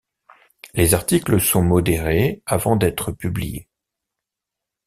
Les articles sont modérés avant d'être publiés.